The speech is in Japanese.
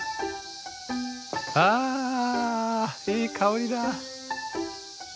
あいい香りだ！